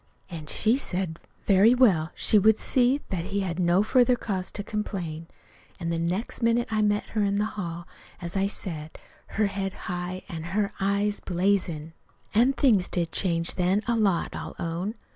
An' she said, very well, she would see that he had no further cause to complain. An' the next minute I met her in the hall, as I just said, her head high an' her eyes blazin'. "An' things did change then, a lot, I'll own.